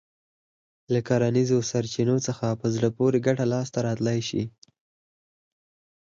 له کرنیزو سرچينو څخه په زړه پورې ګټه لاسته راتلای شي.